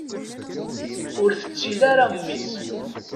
Ur tettil ara mmi-s.